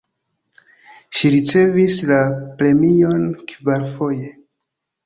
Ŝi ricevis la premion kvarfoje.